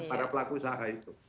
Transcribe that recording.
para pelaku usaha itu